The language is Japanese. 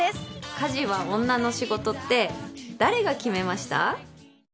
家事は女の仕事って誰が決めました。